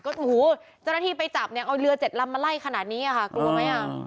เจ้าหน้าที่ไปจับเนี่ยเอาเรือเจ็ดลำมาไล่ขนาดนี้ค่ะกลัวไหม